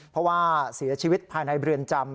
เพราะว่าเสียชีวิตภายในเรือนจำ